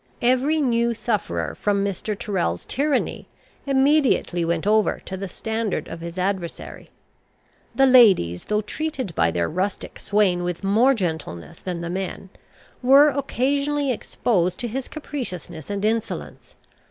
Every new sufferer from Mr. Tyrrel's tyranny immediately went over to the standard of his adversary. The ladies, though treated by their rustic swain with more gentleness than the men, were occasionally exposed to his capriciousness and insolence.